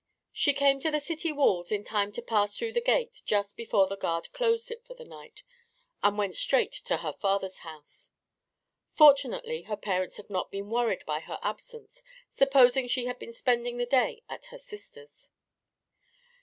She came to the city walls in time to pass through the gate just before the guard closed it for the night, and went straight on to her father's house. Fortunately her parents had not been worried by her absence, supposing she had been spending the day at her sister's.